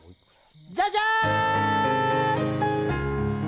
じゃじゃーん！